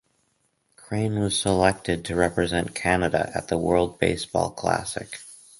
Crain was selected to represent Canada at the World Baseball Classic.